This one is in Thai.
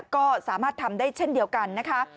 ก็สามารถทำได้เช่นเดียวกันนะคะ